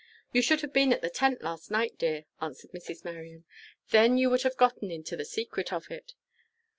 "You should have been at the tent last night, dear," answered Mrs. Marion. "Then you would have gotten into the secret of it.